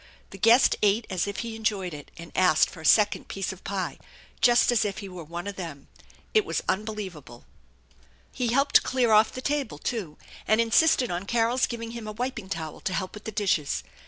The guest ate as if he enjoyed it, and asked for a second piece of pie, just as if he were one of them. It was unbelievable I THE ENCHANTED BARN" 203 He helped clear off the table too, and insisted on Carol's giving him a wiping towel to help with the dishes.